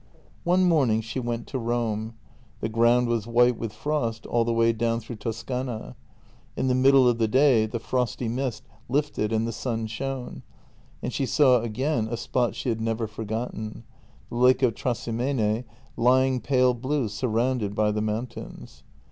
One morning she went to Rome. The ground was white with frost all the way down through Toscana; in the middle of the day the frosty mist lifted and the sun shone — and she saw again a spot she had never forgotten: the lake of Trasimene lying pale blue, surrounded by the mountains.